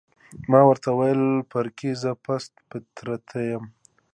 ما ورته وویل: فرګي، زه پست فطرته یم؟